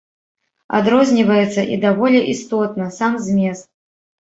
Адрозніваецца, і даволі істотна, сам змест.